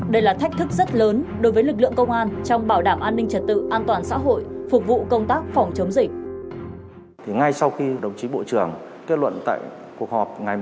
đây là thách thức rất lớn đối với lực lượng công an trong bảo đảm an ninh trật tự an toàn xã hội phục vụ công tác phòng chống dịch